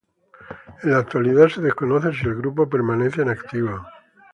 En la actualidad se desconoce si el grupo permanece en activo.